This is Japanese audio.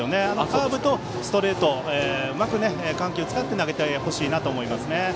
カーブとストレートうまく緩急を使って投げてほしいなと思います。